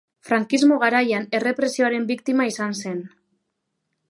Frankismo garaian errepresioaren biktima izan zen.